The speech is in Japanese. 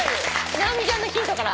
直美ちゃんのヒントから。